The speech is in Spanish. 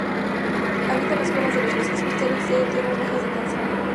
Habita en las cuevas de los bosques costeros de tierras bajas de Tanzania.